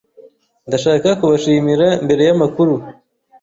Ndashaka kubashimira mbere yamakuru.